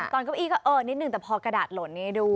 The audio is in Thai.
ตอนกระดาษอีกก็เอิญนิดหนึ่งแต่พอกระดาษหล่นนี่ดู